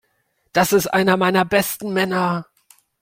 Das ist einer meiner besten Männer.